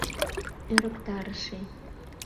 Ӧрыктарыше!..